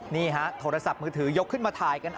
นี่ฮะโทรศัพท์มือถือยกขึ้นมาถ่ายกัน